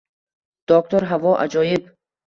Doktor havo ajoyib